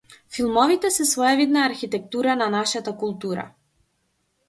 Филмовите се своевидна архитектура на нашата култура.